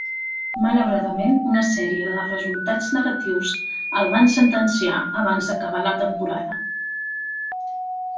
Malauradament una sèrie de resultats negatius el van sentenciar abans d'acabar la temporada.